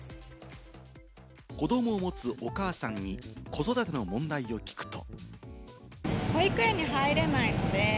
子どもを持つお母さんに子育ての問題を聞くと。